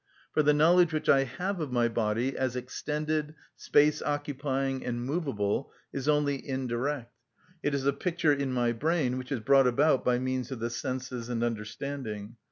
For the knowledge which I have of my body as extended, space‐occupying, and movable, is only indirect: it is a picture in my brain which is brought about by means of the senses and understanding.